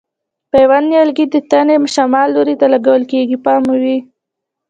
پیوند د نیالګي د تنې شمال لوري ته لګول کېږي پام مو وي.